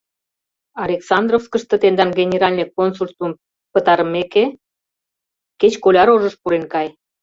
Александровскышто тендан генеральный консульствым пытарымеке, кеч коля рожыш пурен кай.